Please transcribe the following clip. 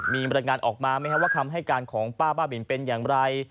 มีบรรยายงานออกมาไหมครับว่าคำให้การของป้าบ้าบินเป็นอย่างไร